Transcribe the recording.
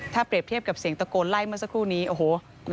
ถ้าเปรียบเทียบกับเสียงตะโกนไล่เมื่อสักครู่นี้โอ้โห